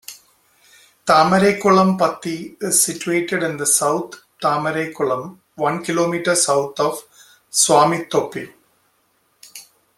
Thamaraikulam Pathi is situated in the South Thamaraikulam, one kilometer south of Swamithoppe.